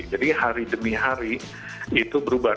jadi hari demi hari itu berubah